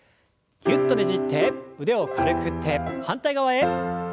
ぎゅっとねじって腕を軽く振って反対側へ。